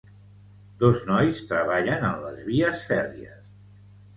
Dos nois treballen en les vies fèrries.